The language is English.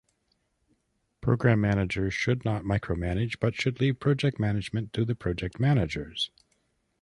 Program managers should not micromanage, but should leave project management to the project managers.